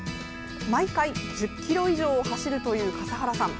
毎回１０ｋｍ以上を走るという笠原さん。